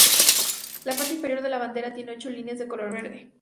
La parte inferior de la bandera tiene ocho líneas de color verde.